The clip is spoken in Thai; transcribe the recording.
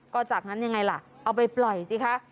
ก็จากนั้นยังไงล่ะเอาไปปล่อยสิคะ